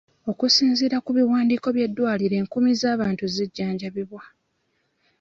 Okusinziira ku biwandiiko by'eddwaliro, enkumi z'abantu zijjanjabiddwa.